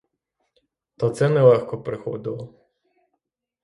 Та це нелегко приходило.